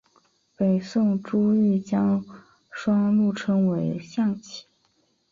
北宋朱彧将双陆称为象棋。